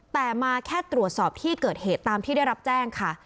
แต่มาแค่ตรวจสอบที่เกิดเหตุตามที่ได้รับแจ้งค่ะ